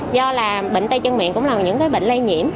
do là bệnh tay chân miệng cũng là những bệnh lây nhiễm